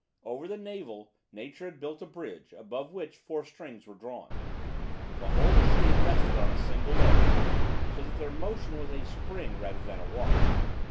Over the navel, nature had built a bridge, above which four strings were drawn. The whole machine rested on a single leg, so that their motion was a spring rather than a walk.